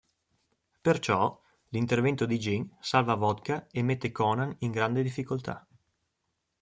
Perciò, l'intervento di Gin salva Vodka e mette Conan in grande difficoltà.